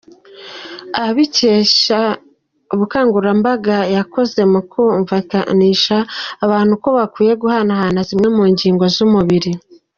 Abikesha ubukangurambaga yakoze mu kumvikanisha abantu ko bakwiye guhanahana zimwe mu ngingo z’umubiri.